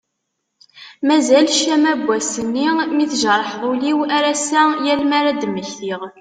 Mazal ccama n wass-nni mi tejreḥ ul-iw ar ass-a yal mi ad d-mmektiɣ.